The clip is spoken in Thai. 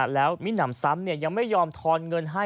แล้วมิ้นหนำซ้ำยังไม่ยอมทอนเงินให้